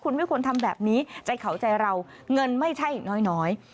คุณไม่ควรทำแบบนี้ใจเขาใจเราเงินไม่ใช่น้อย